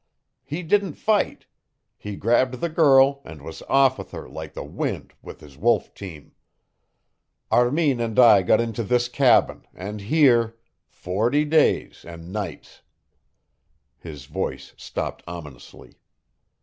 He didn't fight. He grabbed the girl, and was off with her like the wind with his wolf team. Armin and I got into this cabin, and here forty days and nights " His voice stopped ominously.